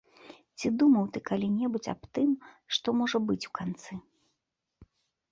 Ці думаў ты калі-небудзь аб тым, што можа быць у канцы?